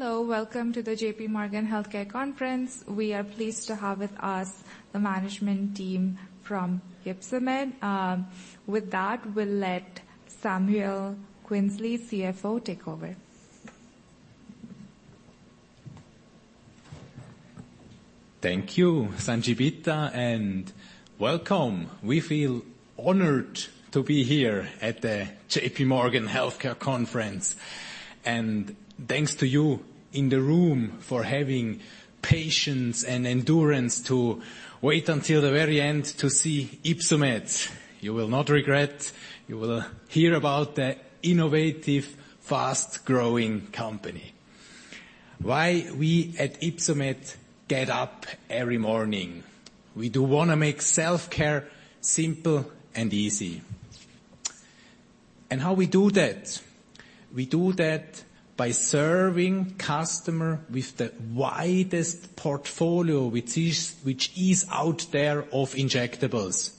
Hello, welcome to the J.P. Morgan Health Care Conference. We are pleased to have with us the management team from Ypsomed. With that, we'll let Samuel Künzli, CFO, take over. Thank you, Sanjivita Singh, and welcome. We feel honored to be here at the JP Morgan Health Care Conference. Thanks to you in the room for having patience and endurance to wait until the very end to see Ypsomed. You will not regret. You will hear about the innovative, fast-growing company. Why we at Ypsomed get up every morning. We do wanna make self-care simple and easy. How we do that? We do that by serving customer with the widest portfolio which is out there of injectables.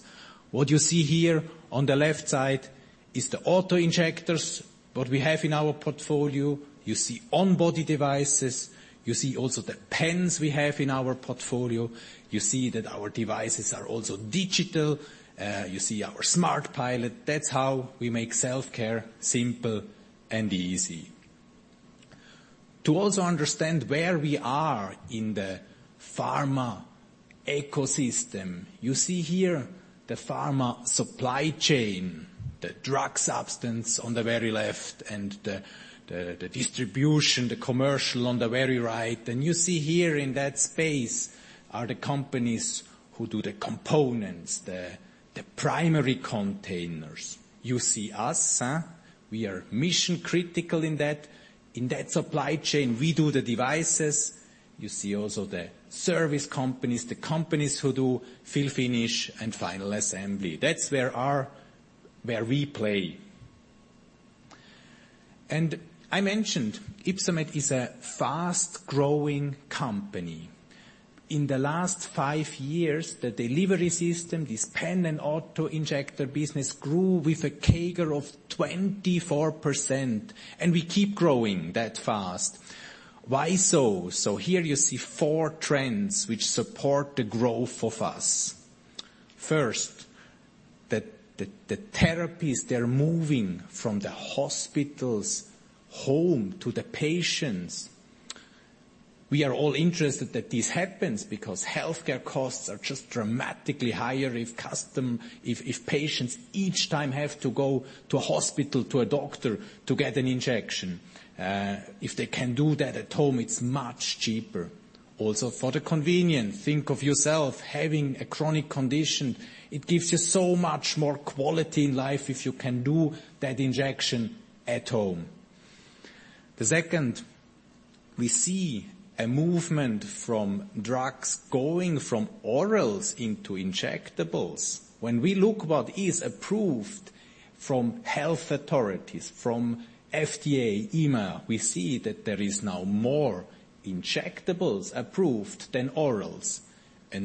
What you see here on the left side is the autoinjectors, what we have in our portfolio. You see on-body devices, you see also the pens we have in our portfolio. You see that our devices are also digital. You see our SmartPilot. That's how we make self-care simple and easy. To also understand where we are in the pharma ecosystem, you see here the pharma supply chain, the drug substance on the very left and the distribution, the commercial on the very right. You see here in that space are the companies who do the components, the primary containers. You see us, we are mission-critical in that. In that supply chain, we do the devices. You see also the service companies, the companies who do fill finish and final assembly. That's where we play. I mentioned Ypsomed is a fast-growing company. In the last five years, the delivery system, this pen and autoinjector business grew with a CAGR of 24%, and we keep growing that fast. Why so? Here you see four trends which support the growth of us. First, the therapies, they're moving from the hospital to the home to the patients. We are all interested that this happens because healthcare costs are just dramatically higher if patients each time have to go to hospital to a doctor to get an injection. If they can do that at home, it's much cheaper. Also, for the convenience, think of yourself having a chronic condition. It gives you so much more quality in life if you can do that injection at home. The second, we see a movement from drugs going from orals into injectables. When we look what is approved from health authorities, from FDA, EMA, we see that there is now more injectables approved than orals.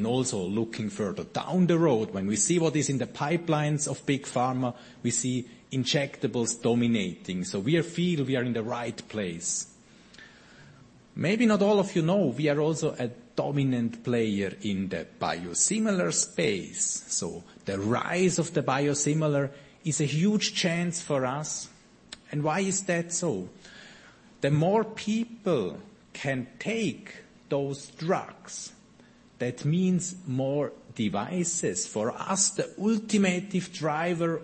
Also looking further down the road, when we see what is in the pipelines of big pharma, we see injectables dominating. We feel we are in the right place. Maybe not all of you know, we are also a dominant player in the biosimilar space. The rise of the biosimilar is a huge chance for us. Why is that so? The more people can take those drugs, that means more devices. For us, the ultimate driver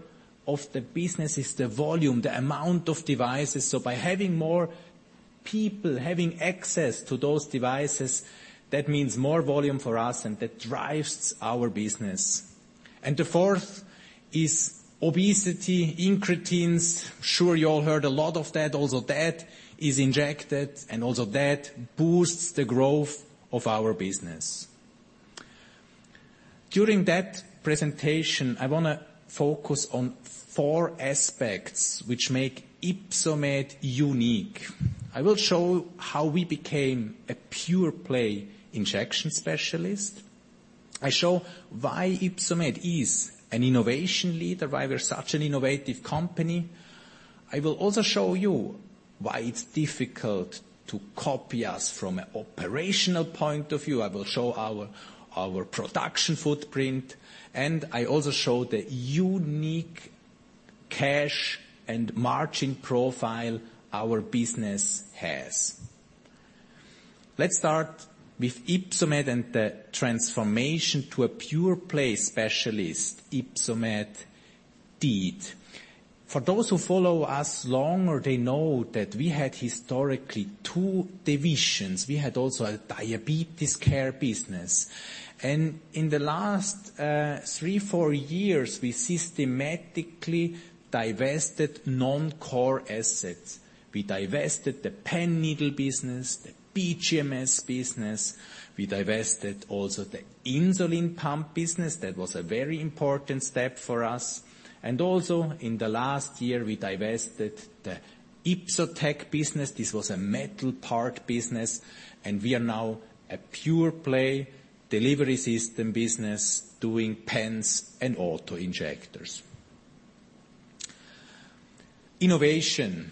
of the business is the volume, the amount of devices. By having more people having access to those devices, that means more volume for us, and that drives our business. The fourth is obesity, incretins. Sure, you all heard a lot of that. Also, that is injected and also that boosts the growth of our business. During that presentation, I wanna focus on four aspects which make Ypsomed unique. I will show how we became a pure-play injection specialist. I show why Ypsomed is an innovation leader, why we're such an innovative company. I will also show you why it's difficult to copy us from an operational point of view. I will show our production footprint, and I also show the unique cash and margin profile our business has. Let's start with Ypsomed and the transformation to a pure-play specialist Ypsomed did. For those who follow us long or they know that we had historically two divisions. We had also a diabetes care business. In the last 3, 4 years, we systematically divested non-core assets. We divested the pen needle business, the BGMS business. We divested also the insulin pump business. That was a very important step for us. Also in the last year, we divested the Ypsotec business. This was a metal part business, and we are now a pure play delivery system business doing pens and autoinjectors. Innovation.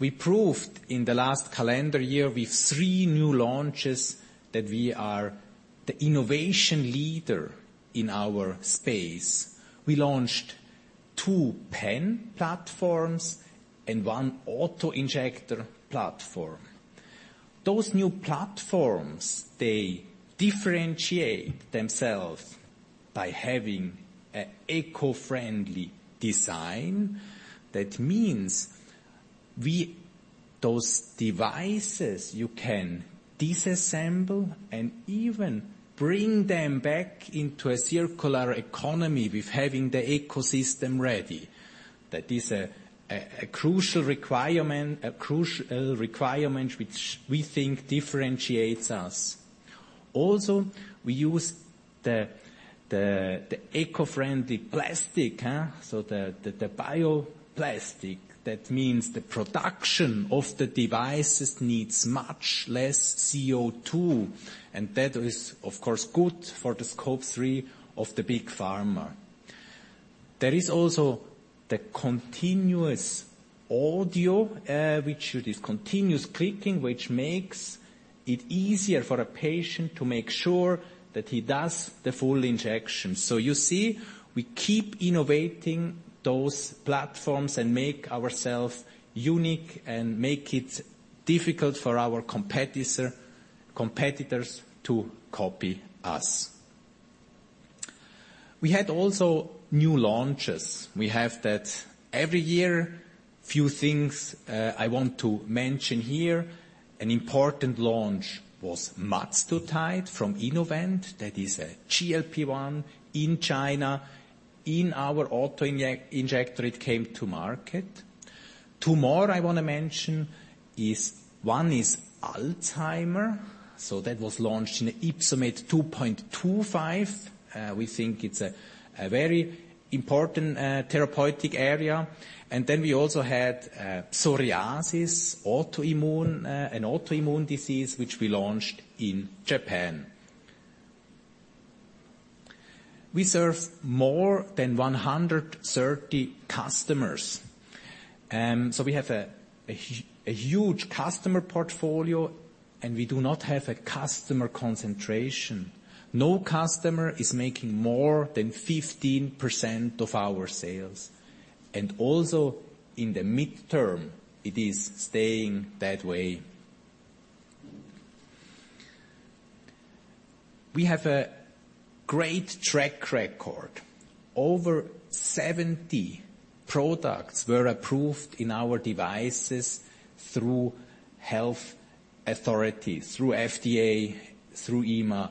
We proved in the last calendar year with three new launches that we are the innovation leader in our space. We launched two pen platforms and one autoinjector platform. Those new platforms, they differentiate themselves by having an eco-friendly design. That means those devices you can disassemble and even bring them back into a circular economy with having the ecosystem ready. That is a crucial requirement which we think differentiates us. Also, we use the eco-friendly plastic. So the bioplastic. That means the production of the devices needs much less CO₂. That is, of course, good for the Scope 3 of the big pharma. There is also the continuous audio, which it is continuous clicking, which makes it easier for a patient to make sure that he does the full injection. You see, we keep innovating those platforms and make ourselves unique and make it difficult for our competitors to copy us. We had also new launches. We have that every year. Few things, I want to mention here. An important launch was tirzepatide from Innovent. That is a GLP-1 in China. In our autoinjector it came to market. Two more I wanna mention is, one is Alzheimer's. That was launched in YpsoMate 2.25. We think it's a very important therapeutic area. We also had psoriasis, autoimmune, an autoimmune disease which we launched in Japan. We serve more than 130 customers. We have a huge customer portfolio, and we do not have a customer concentration. No customer is making more than 15% of our sales. In the midterm, it is staying that way. We have a great track record. Over 70 products were approved in our devices through health authorities, through FDA, through EMA.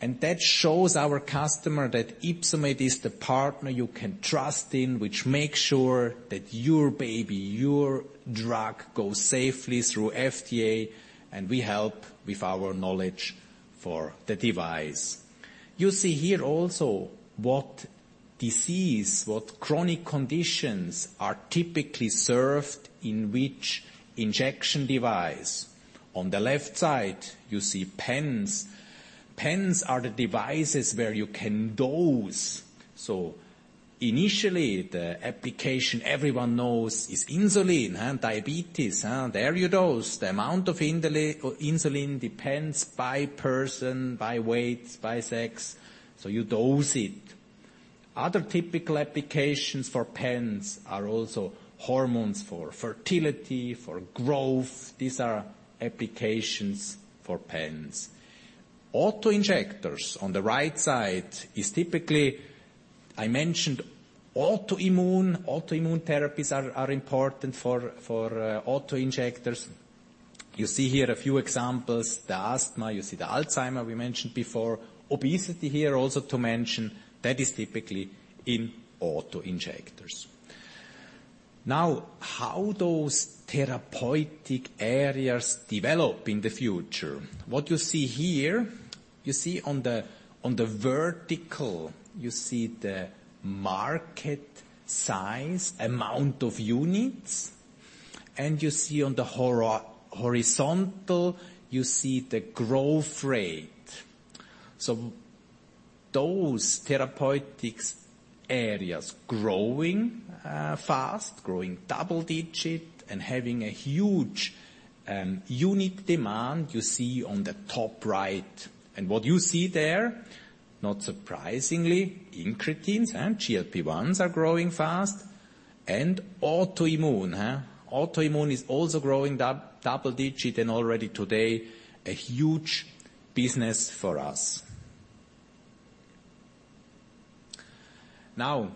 That shows our customer that Ypsomed is the partner you can trust in, which makes sure that your baby, your drug goes safely through FDA, and we help with our knowledge for the device. You see here also what disease, what chronic conditions are typically served in which injection device. On the left side, you see pens. Pens are the devices where you can dose. Initially, the application everyone knows is insulin, diabetes. There you dose. The amount of insulin depends on person, by weight, by sex. You dose it. Other typical applications for pens are also hormones for fertility, for growth. These are applications for pens. Autoinjectors on the right side is typically. I mentioned autoimmune. Autoimmune therapies are important for autoinjectors. You see here a few examples. Asthma, you see the Alzheimer's we mentioned before. Obesity here also to mention. That is typically in autoinjectors. Now, how those therapeutic areas develop in the future. What you see here, you see on the vertical, you see the market size, amount of units, and you see on the horizontal, you see the growth rate. Those therapeutic areas growing fast, growing double digit and having a huge unit demand you see on the top right. What you see there, not surprisingly, incretins and GLP-Is are growing fast and autoimmune. Autoimmune is also growing double digit and already today a huge business for us. Now,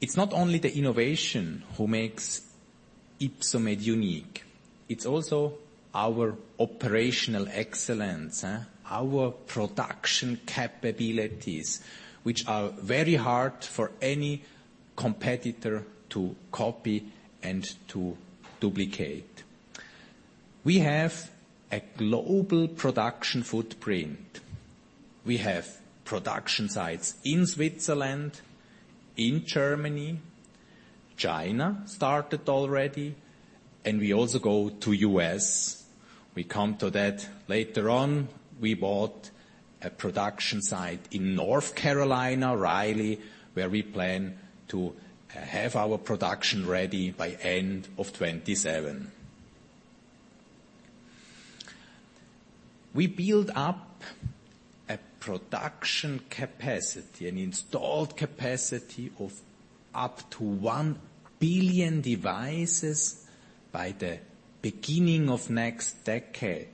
it's not only the innovation who makes Ypsomed unique, it's also our operational excellence. Our production capabilities, which are very hard for any competitor to copy and to duplicate. We have a global production footprint. We have production sites in Switzerland, in Germany, China started already, and we also go to US. We come to that later on. We bought a production site in North Carolina, Raleigh, where we plan to have our production ready by end of 2027. We build up a production capacity, an installed capacity of up to 1 billion devices by the beginning of next decade.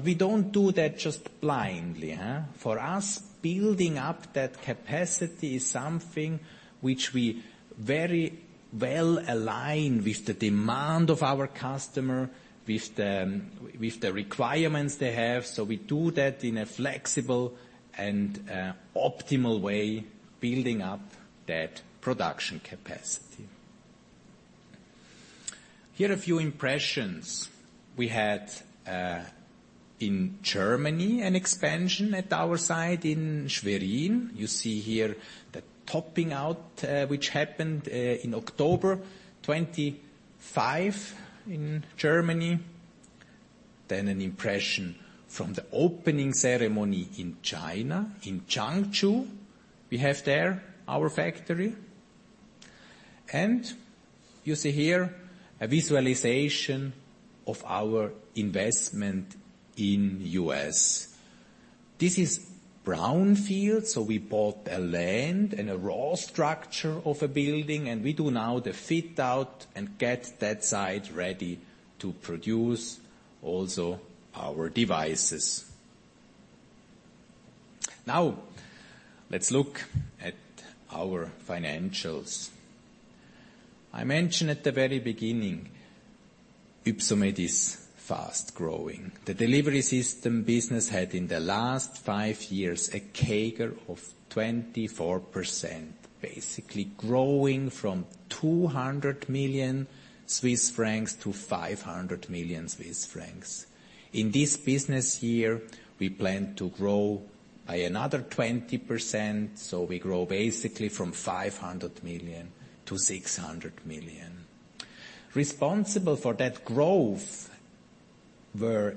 We don't do that just blindly. For us, building up that capacity is something which we very well align with the demand of our customer, with the requirements they have. We do that in a flexible and optimal way, building up that production capacity. Here a few impressions. We had in Germany, an expansion at our site in Schwerin. You see here the topping out, which happened in October 2025 in Germany. Then an impression from the opening ceremony in China, in Changshu, we have there our factory. You see here a visualization of our investment in U.S. This is brownfield, so we bought a land and a raw structure of a building, and we do now the fit-out and get that site ready to produce also our devices. Now, let's look at our financials. I mentioned at the very beginning, Ypsomed is fast-growing. The delivery system business had, in the last five years, a CAGR of 24%, basically growing from 200 million Swiss francs to 500 million Swiss francs. In this business year, we plan to grow by another 20%, so we grow basically from 500 million to 600 million. Responsible for that growth were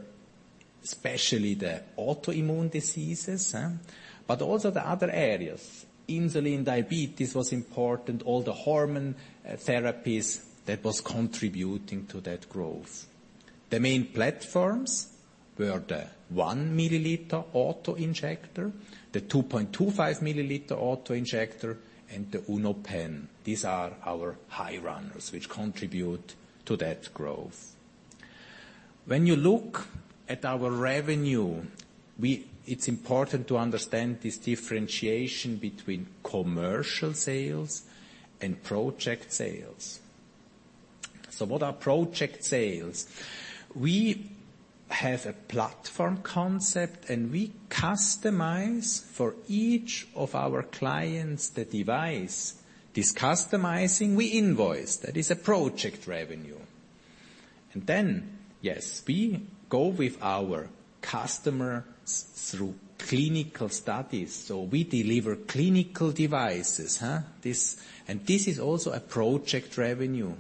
especially the autoimmune diseases, but also the other areas. Insulin, diabetes was important, all the hormone therapies, that was contributing to that growth. The main platforms were the 1-milliliter autoinjector, the 2.25-milliliter autoinjector, and the UnoPen. These are our high runners which contribute to that growth. When you look at our revenue, it's important to understand this differentiation between commercial sales and project sales. What are project sales? We have a platform concept, and we customize for each of our clients the device. This customizing, we invoice. That is a project revenue. We go with our customers through clinical studies. We deliver clinical devices. This is also a project revenue.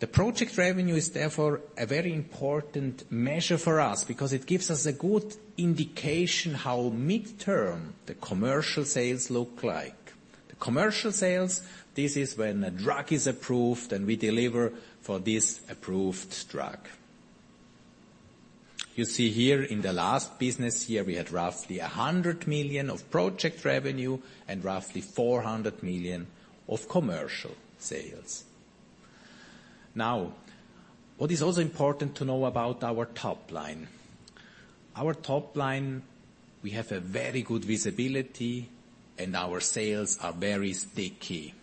The project revenue is therefore a very important measure for us because it gives us a good indication how midterm the commercial sales look like. The commercial sales, this is when a drug is approved, and we deliver for this approved drug. You see here in the last business year, we had roughly 100 million of project revenue and roughly 400 million of commercial sales. Now, what is also important to know about our top line? Our top line, we have a very good visibility, and our sales are very sticky.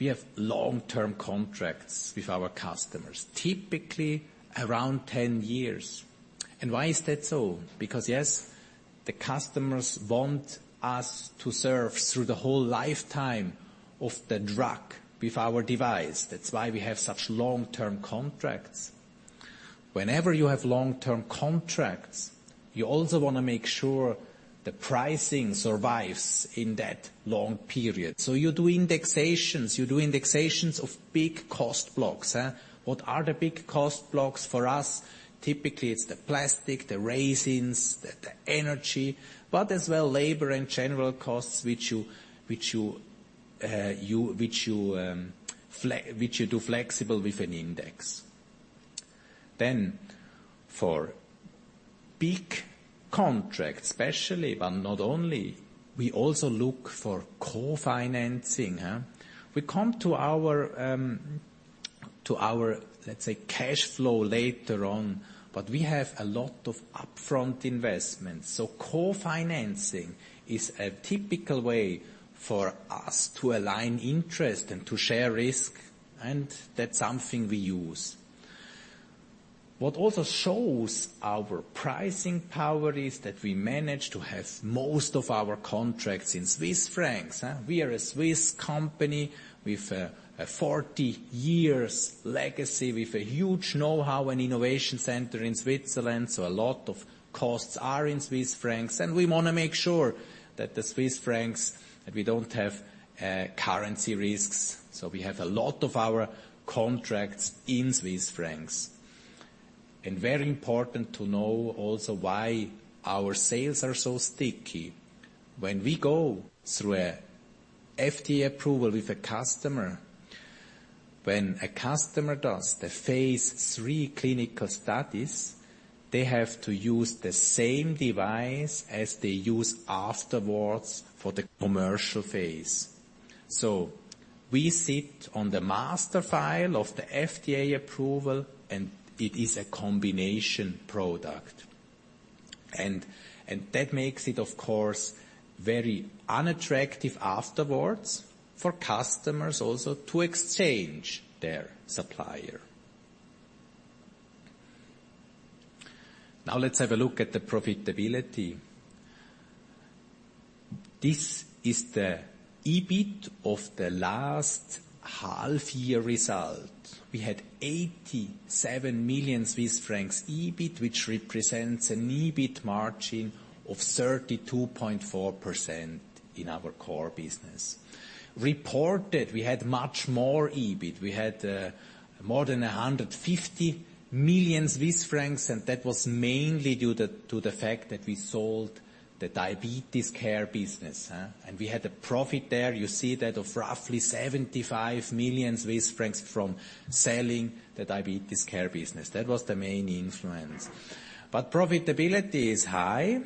We have long-term contracts with our customers, typically around 10 years. Why is that so? Because, yes, the customers want us to serve through the whole lifetime of the drug with our device. That's why we have such long-term contracts. Whenever you have long-term contracts, you also wanna make sure the pricing survives in that long period. You do indexations. You do indexations of big cost blocks, huh? What are the big cost blocks for us? Typically, it's the plastic, the resins, the energy, but as well labor and general costs which you do flexible with an index. For big contracts, especially, but not only, we also look for co-financing, huh? We come to our, let's say, cash flow later on, but we have a lot of upfront investments. Co-financing is a typical way for us to align interest and to share risk, and that's something we use. What also shows our pricing power is that we manage to have most of our contracts in Swiss francs. We are a Swiss company with a 40 years legacy, with a huge know-how and innovation center in Switzerland, so a lot of costs are in Swiss francs, and we wanna make sure that the Swiss francs, that we don't have currency risks. We have a lot of our contracts in Swiss francs. Very important to know also why our sales are so sticky. When we go through an FDA approval with a customer, when a customer does the Phase III clinical studies, they have to use the same device as they use afterwards for the commercial phase. We sit on the master file of the FDA approval, and it is a combination product. That makes it, of course, very unattractive afterwards for customers also to exchange their supplier. Now let's have a look at the profitability. This is the EBIT of the last half year result. We had 87 million Swiss francs EBIT, which represents an EBIT margin of 32.4% in our core business. Reported, we had much more EBIT. We had more than 150 million Swiss francs, and that was mainly due to the fact that we sold the diabetes care business. We had a profit there, you see that, of roughly 75 million Swiss francs from selling the diabetes care business. That was the main influence. Profitability is high,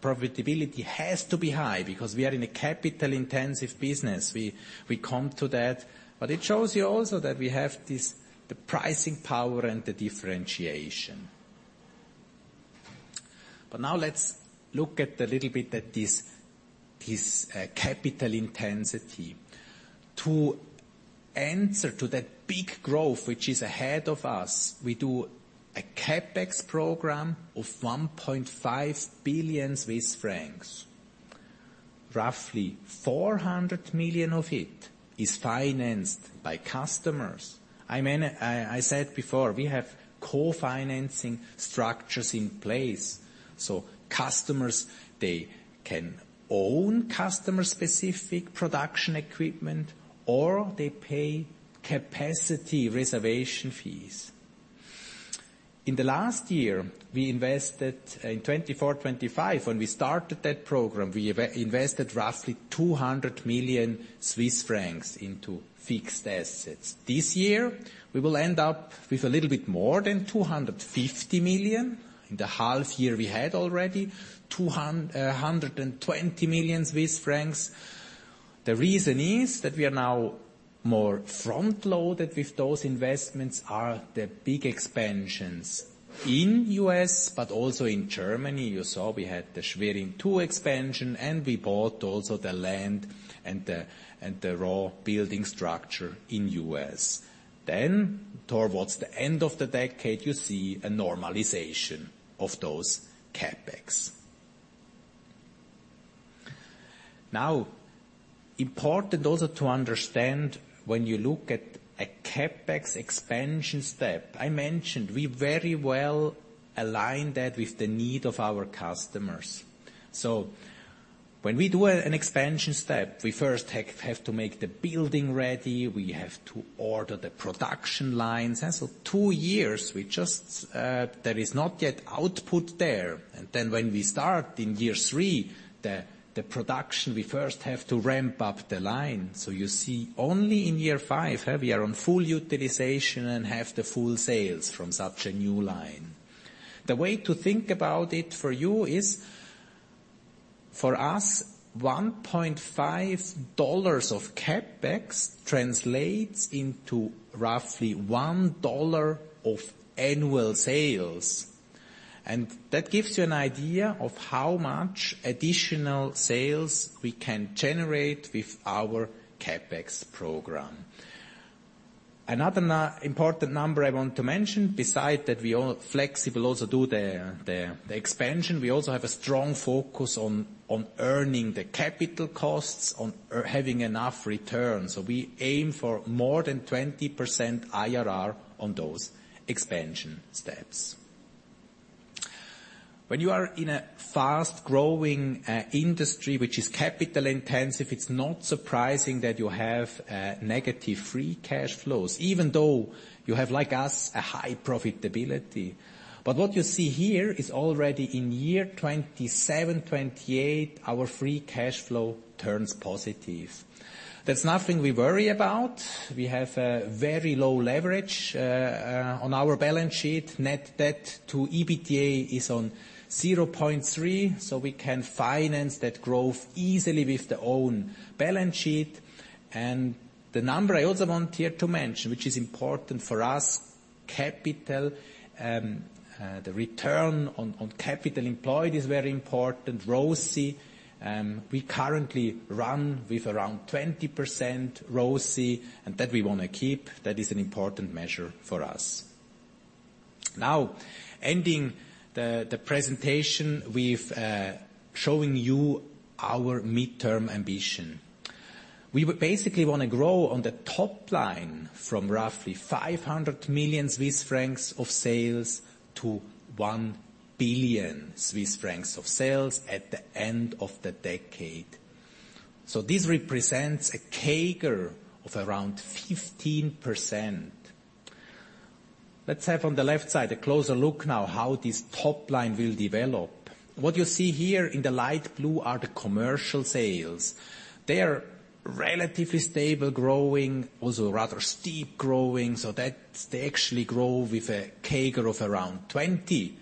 profitability has to be high because we are in a capital-intensive business. We come to that. It shows you also that we have this, the pricing power and the differentiation. Now let's look at a little bit at this capital intensity. To answer to that big growth which is ahead of us, we do a CapEx program of 1.5 billion Swiss francs. Roughly 400 million of it is financed by customers. I said before, we have co-financing structures in place. Customers, they can own customer-specific production equipment, or they pay capacity reservation fees. In 2024-2025, when we started that program, we invested roughly 200 million Swiss francs into fixed assets. This year, we will end up with a little bit more than 250 million. In the half year we had already 220 million Swiss francs. The reason is that we are now more front-loaded with those investments are the big expansions in U.S., but also in Germany. You saw we had the Schwerin II expansion, and we bought also the land and the raw building structure in U.S. Then towards the end of the decade, you see a normalization of those CapEx. Now, important also to understand when you look at a CapEx expansion step, I mentioned we very well align that with the need of our customers. When we do an expansion step, we first have to make the building ready. We have to order the production lines. Two years, we just there is not yet output there. When we start in year three, the production, we first have to ramp up the line. You see only in year five, we are on full utilization and have the full sales from such a new line. The way to think about it for you is, for us, $1.5 of CapEx translates into roughly $1 of annual sales. That gives you an idea of how much additional sales we can generate with our CapEx program. Another important number I want to mention, besides that we are flexible also due to the expansion, we also have a strong focus on earning the capital costs or having enough returns. We aim for more than 20% IRR on those expansion steps. When you are in a fast-growing industry which is capital-intensive, it's not surprising that you have negative free cash flows, even though you have, like us, a high profitability. What you see here is already in year 27, 28, our free cash flow turns positive. That's nothing we worry about. We have a very low leverage on our balance sheet. Net debt to EBITDA is at 0.3, so we can finance that growth easily with our own balance sheet. The number I also want here to mention, which is important for us, the return on capital employed is very important. ROCE, we currently run with around 20% ROCE, and that we wanna keep. That is an important measure for us. Now, ending the presentation with showing you our midterm ambition. We basically wanna grow on the top line from roughly 500 million Swiss francs of sales to 1 billion Swiss francs of sales at the end of the decade. So this represents a CAGR of around 15%. Let's have, on the left side, a closer look now how this top line will develop. What you see here in the light blue are the commercial sales. They are relatively stable growing, also rather steep growing, so that's. They actually grow with a CAGR of around 20%.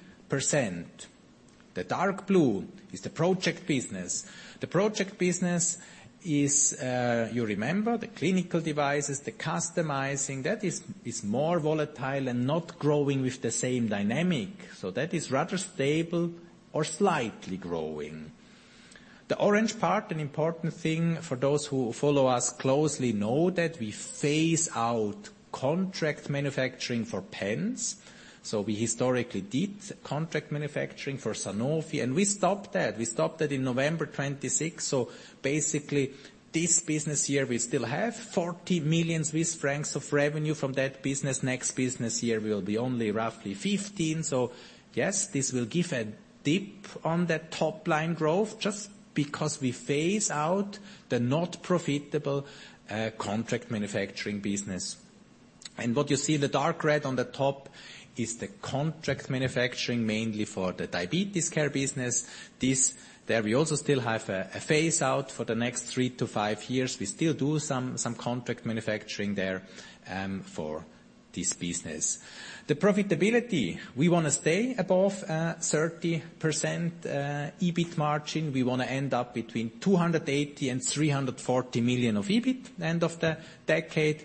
The dark blue is the project business. The project business is, you remember, the clinical devices, the customizing. That is more volatile and not growing with the same dynamic. So that is rather stable or slightly growing. The orange part, an important thing for those who follow us closely know that we phase out contract manufacturing for pens. We historically did contract manufacturing for Sanofi, and we stopped that. We stopped that in November 2026. Basically, this business year we still have 40 million Swiss francs of revenue from that business. Next business year will be only roughly 15 million. Yes, this will give a dip on that top line growth just because we phase out the not profitable contract manufacturing business. What you see in the dark red on the top is the contract manufacturing, mainly for the diabetes care business. There we also still have a phase out for the next 3-5 years. We still do some contract manufacturing there for this business. The profitability, we wanna stay above 30% EBIT margin. We wanna end up between 280 million and 340 million of EBIT end of the decade.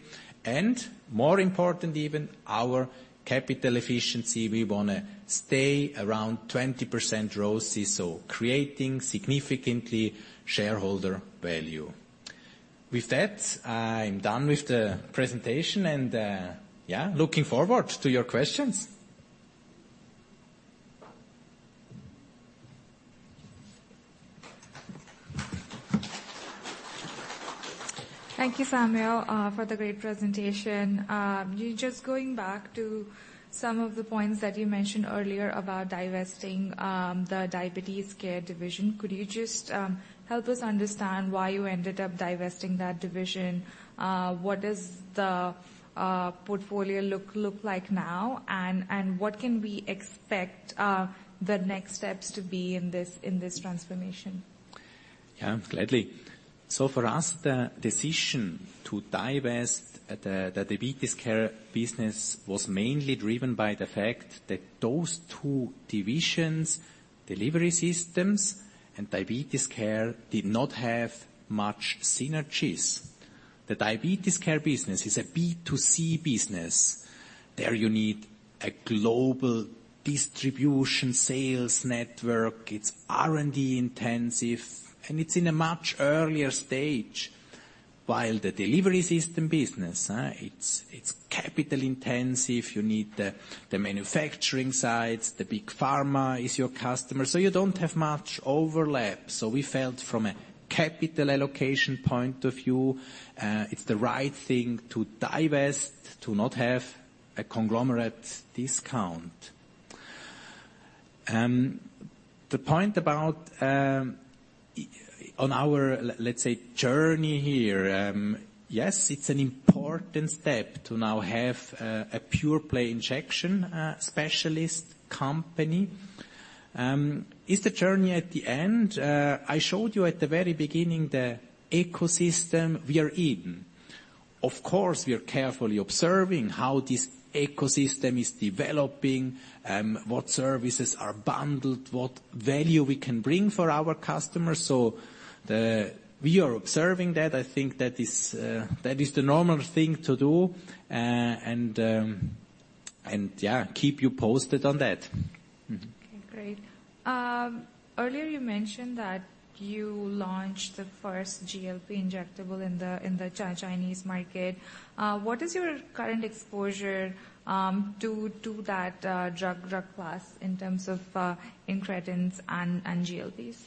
More important even, our capital efficiency, we wanna stay around 20% ROCE, so creating significantly shareholder value. With that, I'm done with the presentation, and, yeah, looking forward to your questions. Thank you, Samuel, for the great presentation. Just going back to some of the points that you mentioned earlier about divesting the diabetes care division, could you just help us understand why you ended up divesting that division? What does the portfolio look like now? What can we expect the next steps to be in this transformation? Yeah, gladly. For us, the decision to divest the Diabetes Care business was mainly driven by the fact that those two divisions, Delivery Systems and Diabetes Care, did not have much synergies. The Diabetes Care business is a B2C business. There you need a global distribution sales network, it's R&D intensive, and it's in a much earlier stage. While the Delivery Systems business, it's capital intensive, you need the manufacturing sites, big pharma is your customer, so you don't have much overlap. We felt from a capital allocation point of view, it's the right thing to divest to not have a conglomerate discount. The point about on our, let's say, journey here, yes, it's an important step to now have a pure-play injection specialist company. Is the journey at the end? I showed you at the very beginning, the ecosystem we are in. Of course, we are carefully observing how this ecosystem is developing, what services are bundled, what value we can bring for our customers. We are observing that. I think that is the normal thing to do. Yeah, keep you posted on that. Okay, great. Earlier you mentioned that you launched the first GLP injectable in the Chinese market. What is your current exposure to that drug class in terms of incretins and GLPs?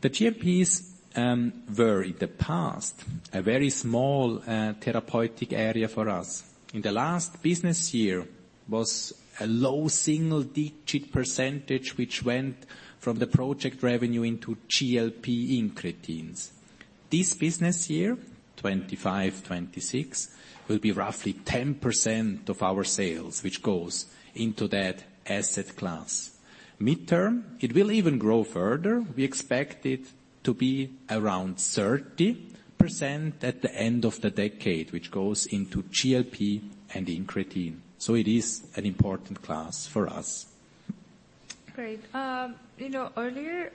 The GLPs were in the past a very small therapeutic area for us. In the last business year was a low single-digit percentage which went from the project revenue into GLP incretins. This business year, 2025, 2026, will be roughly 10% of our sales, which goes into that asset class. Midterm, it will even grow further. We expect it to be around 30% at the end of the decade, which goes into GLP and incretin. It is an important class for us. Great. You know, earlier,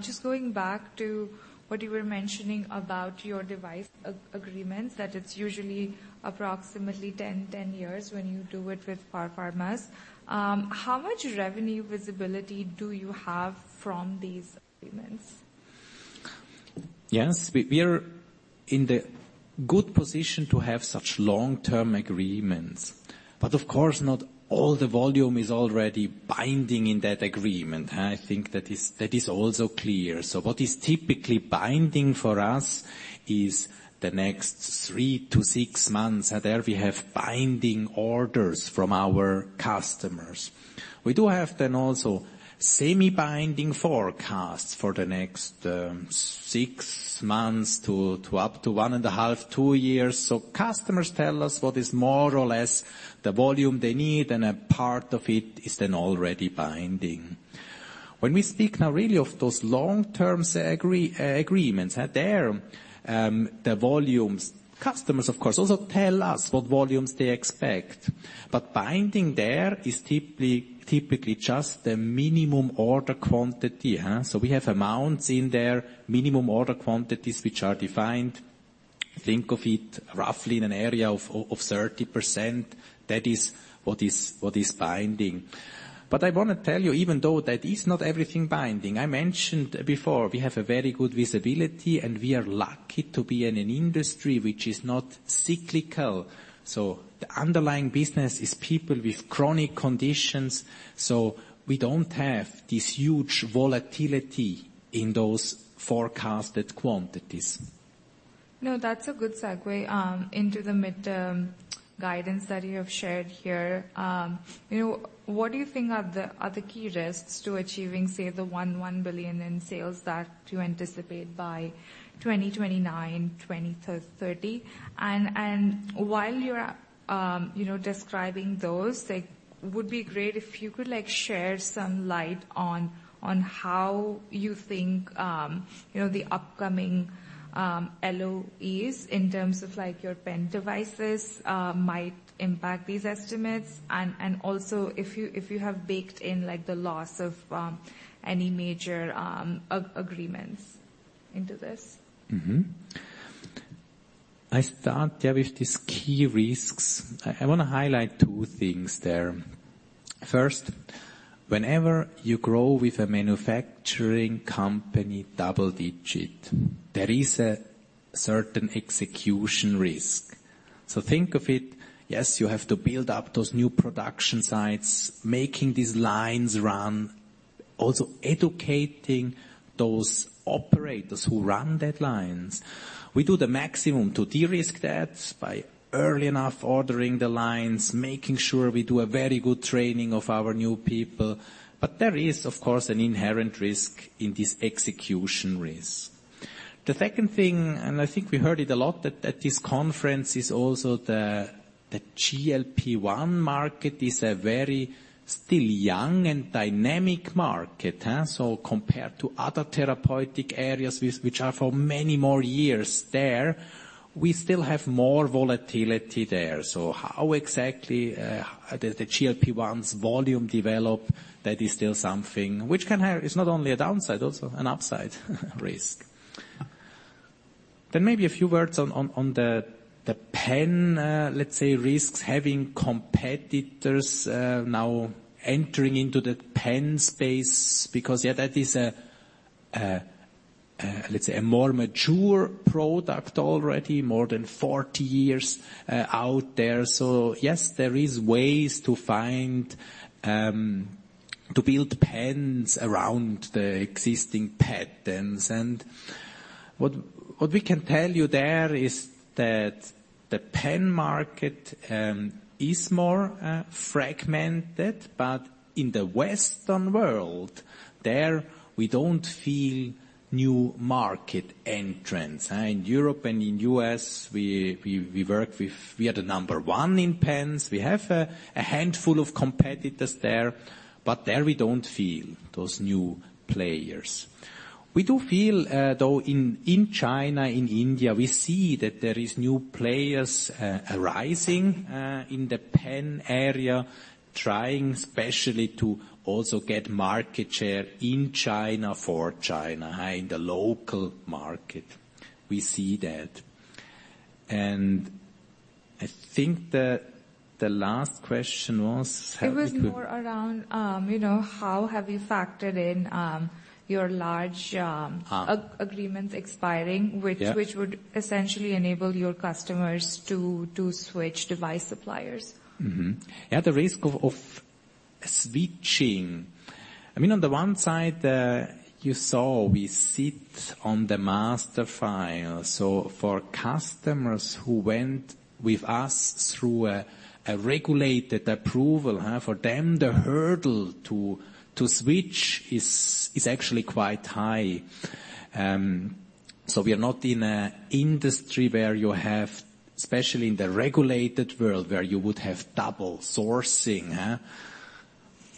just going back to what you were mentioning about your device agreements, that it's usually approximately 10 years when you do it with pharmas. How much revenue visibility do you have from these agreements? Yes. We are in the good position to have such long-term agreements. Of course not all the volume is already binding in that agreement. I think that is also clear. What is typically binding for us is the next three to six months. There we have binding orders from our customers. We do have then also semi-binding forecasts for the next six months to up to one and a half, two years. Customers tell us what is more or less the volume they need, and a part of it is then already binding. When we speak now really of those long-term agreements, there, the volumes, customers of course also tell us what volumes they expect, but binding there is typically just the minimum order quantity. We have amounts in there, minimum order quantities, which are defined, think of it roughly in an area of 30%. That is what is binding. I wanna tell you, even though that is not everything binding, I mentioned before, we have a very good visibility, and we are lucky to be in an industry which is not cyclical. The underlying business is people with chronic conditions, so we don't have this huge volatility in those forecasted quantities. No, that's a good segue into the mid-term guidance that you have shared here. You know, what do you think are the key risks to achieving, say, 1 billion in sales that you anticipate by 2029, 2030? While you're describing those, like, would be great if you could, like, shed some light on how you think the upcoming LOEs in terms of, like, your pen devices might impact these estimates. Also, if you have baked in, like, the loss of any major agreements into this. I start there with these key risks. I wanna highlight two things there. First, whenever you grow with a manufacturing company double-digit, there is a certain execution risk. Think of it, yes, you have to build up those new production sites, making these lines run, also educating those operators who run those lines. We do the maximum to de-risk that by early enough ordering the lines, making sure we do a very good training of our new people. There is, of course, an inherent risk in this execution risk. The second thing, and I think we heard it a lot at this conference, is also the GLP-1 market is a very young and dynamic market. Compared to other therapeutic areas which are for many more years there, we still have more volatility there. How exactly the GLP-1's volume develop, that is still something which can have. It's not only a downside, also an upside risk. Maybe a few words on the pen, let's say, risks. Having competitors now entering into the pen space because that is a let's say a more mature product already, more than 40 years out there. Yes, there is ways to find to build pens around the existing patents. What we can tell you there is that the pen market is more fragmented, but in the Western world, there we don't feel new market entrants. In Europe and in U.S., we work with. We are the number one in pens. We have a handful of competitors there, but there we don't feel those new players. We do feel, though in China, in India, we see that there is new players arising in the pen area, trying especially to also get market share in China for China in the local market. We see that. I think the last question was It was more around, you know, how have you factored in, your large, Uh- Agreements expiring. Yeah. Which would essentially enable your customers to switch device suppliers. Yeah, the risk of switching. I mean, on the one side, you saw we sit on the master file. For customers who went with us through a regulated approval, for them, the hurdle to switch is actually quite high. We are not in an industry where you have, especially in the regulated world, where you would have double sourcing.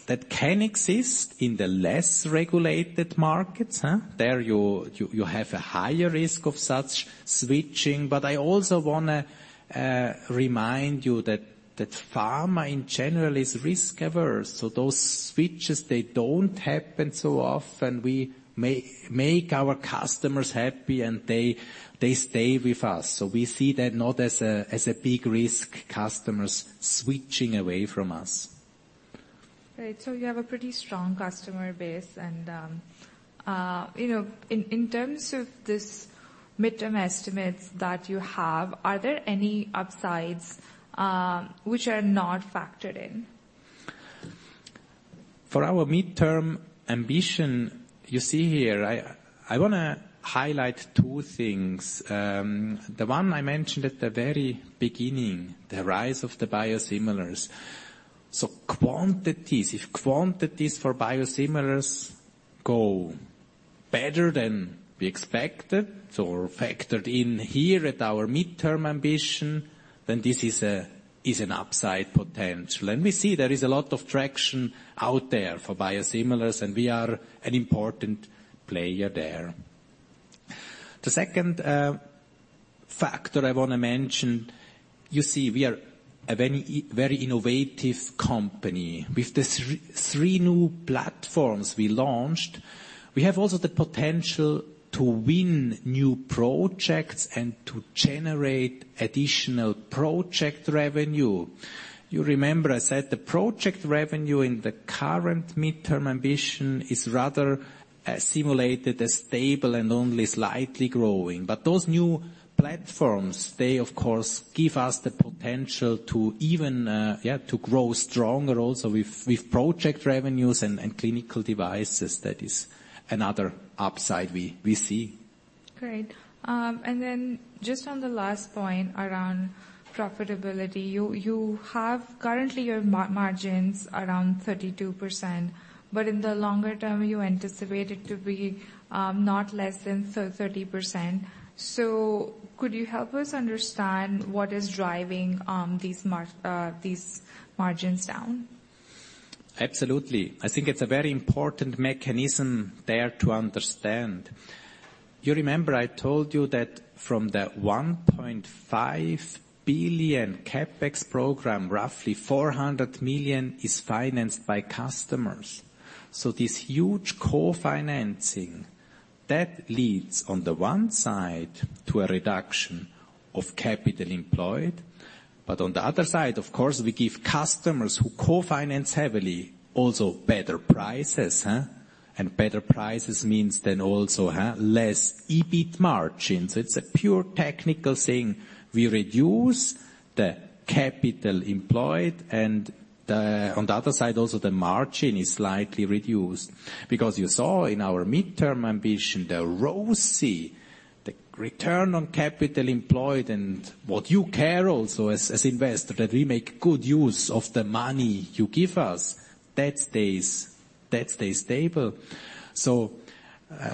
That can exist in the less regulated markets. There you have a higher risk of such switching. I also wanna remind you that pharma in general is risk-averse, so those switches, they don't happen so often. We make our customers happy, and they stay with us. We see that not as a big risk, customers switching away from us. Right. You have a pretty strong customer base and, you know, in terms of this midterm estimates that you have, are there any upsides, which are not factored in? For our midterm ambition, you see here, I wanna highlight two things. The one I mentioned at the very beginning, the rise of the biosimilars. Quantities, if quantities for biosimilars go better than we expected, so factored in here at our midterm ambition, then this is an upside potential. We see there is a lot of traction out there for biosimilars, and we are an important player there. The second factor I wanna mention, you see, we are a very, very innovative company. With the three new platforms we launched, we have also the potential to win new projects and to generate additional project revenue. You remember I said the project revenue in the current midterm ambition is rather simulated as stable and only slightly growing. Those new platforms, they of course give us the potential to even to grow stronger also with project revenues and clinical devices. That is another upside we see. Great. Just on the last point around profitability, you have currently your margins around 32%, but in the longer term, you anticipate it to be not less than 30%. Could you help us understand what is driving these margins down? Absolutely. I think it's a very important mechanism there to understand. You remember I told you that from the 1.5 billion CapEx program, roughly 400 million is financed by customers. This huge core financing, that leads on the one side to a reduction of capital employed, but on the other side, of course, we give customers who co-finance heavily also better prices. Better prices means then also less EBIT margins. It's a pure technical thing. We reduce the capital employed and the, on the other side also the margin is slightly reduced. Because you saw in our midterm ambition, the ROCE, the return on capital employed, and what you care also as investor, that we make good use of the money you give us, that stays stable.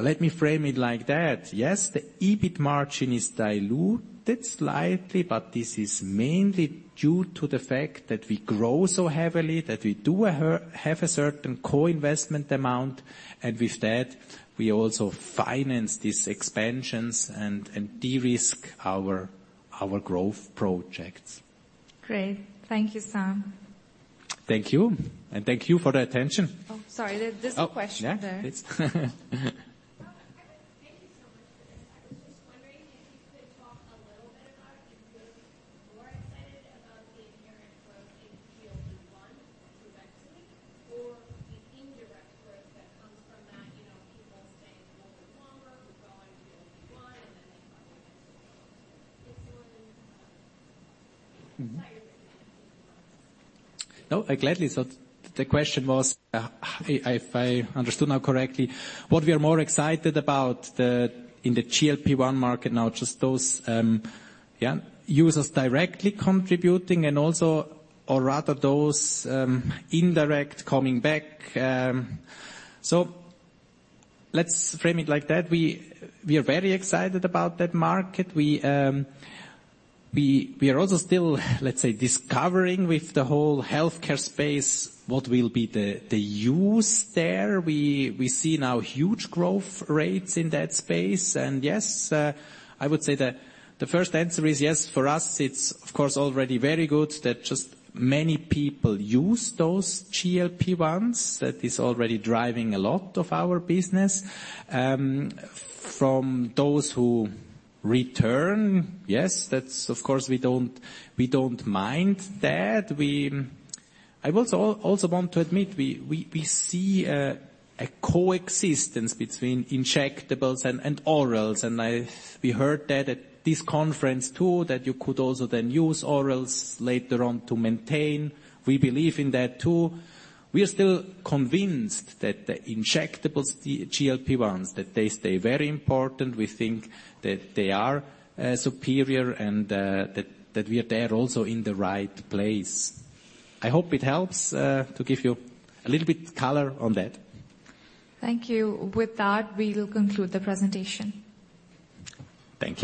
Let me frame it like that. Yes, the EBIT margin is diluted slightly, but this is mainly due to the fact that we grow so heavily that we have a certain co-investment amount, and with that, we also finance these expansions and de-risk our growth projects. Great. Thank you, Sam. Thank you. Thank you for the attention. Oh, sorry. There's a question there. Oh, yeah. Thank you so much for this. I was just wondering if you could talk a little bit about if you're more excited about the inherent growth in GLP-1 with tirzepatide or the indirect growth that comes from that, you know, people staying a little bit longer with going to GLP-1 and then probably getting tirzepatide. Just wondering how you're thinking about that. No, gladly. The question was, if I understood now correctly, what we are more excited about in the GLP-1 market, now just those users directly contributing and also or rather those indirect coming back. Let's frame it like that. We are very excited about that market. We are also still, let's say, discovering with the whole healthcare space what will be the use there. We see now huge growth rates in that space. Yes, I would say the first answer is yes. For us, it's of course already very good that just many people use those GLP-1s. That is already driving a lot of our business. From those who return, yes, that's of course, we don't mind that. I also want to admit, we see a coexistence between injectables and orals. We heard that at this conference too, that you could also then use orals later on to maintain. We believe in that too. We are still convinced that the injectables GLP-1s, that they stay very important. We think that they are superior and that we are there also in the right place. I hope it helps to give you a little bit color on that. Thank you. With that, we will conclude the presentation. Thank you.